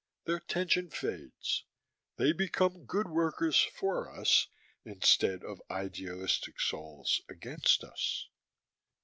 Their tension fades. They become good workers, for us, instead of idealistic souls, against us."